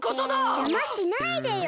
じゃましないでよ！